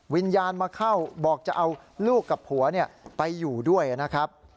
วิญญาณมาเข้าบอกจะเอาลูกกับผัวไปอยู่ด้วยนะครับ